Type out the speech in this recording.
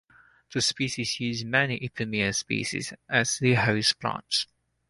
The species use many "Ipomoea" species as the host plants.